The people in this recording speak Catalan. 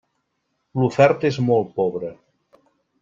L'oferta és molt pobra.